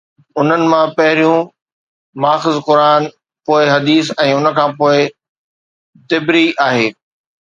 انهن مان پهريون ماخذ قرآن، پوءِ حديث ۽ ان کان پوءِ طبري آهي.